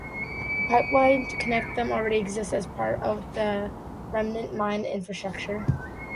The pipeline to connect them already exists as part of the remnant mine infrastructure.